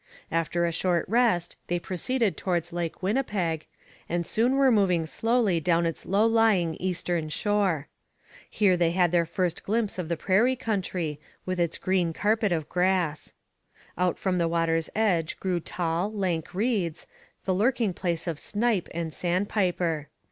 After a short rest they proceeded towards Lake Winnipeg, and soon were moving slowly down its low lying eastern shore. Here they had their first glimpse of the prairie country, with its green carpet of grass. Out from the water's edge grew tall, lank reeds, the lurking place of snipe and sand piper.